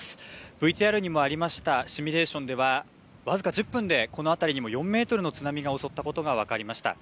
ＶＴＲにもありましたシミュレーションでは僅か１０分でこの辺りにも４メートルの津波が襲ったことが分かりました。